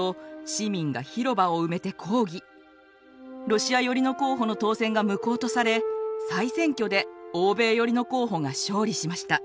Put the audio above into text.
ロシア寄りの候補の当選が無効とされ再選挙で欧米寄りの候補が勝利しました。